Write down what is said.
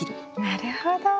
なるほど。